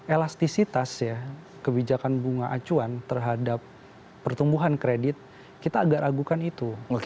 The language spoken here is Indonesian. elastisitas ya kebijakan bunga acuan terhadap pertumbuhan kredit kita agak ragukan itu